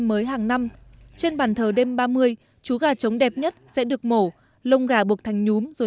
mới hàng năm trên bàn thờ đêm ba mươi chú gà trống đẹp nhất sẽ được mổ lông gà bộc thành nhúm rồi